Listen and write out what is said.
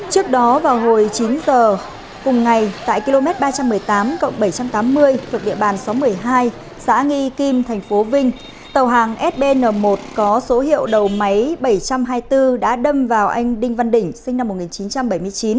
trước đó vào hồi chín giờ cùng ngày tại km ba trăm một mươi tám bảy trăm tám mươi thuộc địa bàn xóm một mươi hai xã nghi kim tp vinh tàu hàng sbn một có số hiệu đầu máy bảy trăm hai mươi bốn đã đâm vào anh đinh văn đỉnh sinh năm một nghìn chín trăm bảy mươi chín